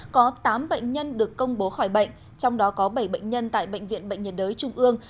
có tám bệnh nhân được công bố khỏi bệnh trong đó có bảy bệnh nhân tại bệnh viện bệnh nhiệt đới trung ương